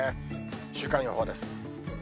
週間予報です。